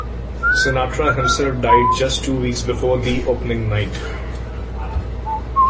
Sinatra himself died just two weeks before the opening night.